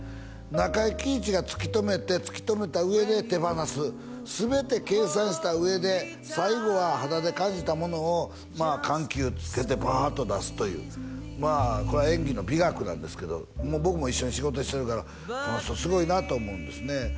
中井貴一が突き止めて突き止めた上で手放す全て計算した上で最後は肌で感じたものを緩急つけてパーッと出すというこれは演技の美学なんですけど僕も一緒に仕事してるからこの人すごいなと思うんですね